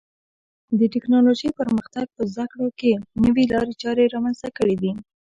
د ټکنالوژۍ پرمختګ په زده کړو کې نوې لارې چارې رامنځته کړې دي.